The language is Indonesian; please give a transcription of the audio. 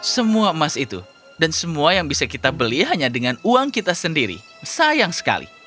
semua emas itu dan semua yang bisa kita beli hanya dengan uang kita sendiri sayang sekali